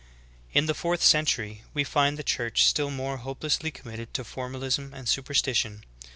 "'^ 5. In the fourth century we find the Church still more hopelessly committed to formalism and superstition.